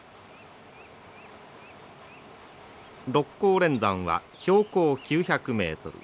六甲連山は標高９００メートル。